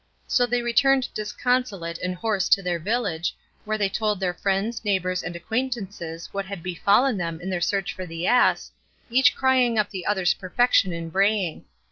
So they returned disconsolate and hoarse to their village, where they told their friends, neighbours, and acquaintances what had befallen them in their search for the ass, each crying up the other's perfection in braying.